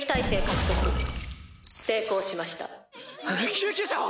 救急車を！